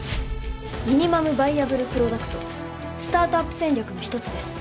ミニマムバイアブルプロダクトスタートアップ戦略の一つです